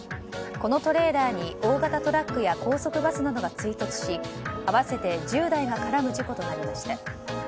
このトレーラーに大型トラックや高速バスなどが追突し合わせて１０台が絡む事故となりました。